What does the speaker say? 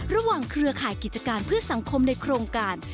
เครือข่ายกิจการเพื่อสังคมในโครงการ